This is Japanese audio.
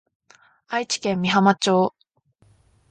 愛知県美浜町